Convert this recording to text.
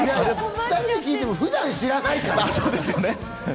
２人に聞いても普段知らないから。